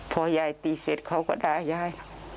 พอยายตีเสร็จเขาก็ด่ายาย